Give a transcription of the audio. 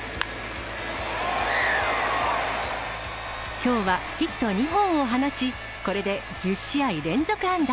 きょうはヒット２本を放ち、これで１０試合連続安打。